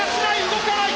動かない！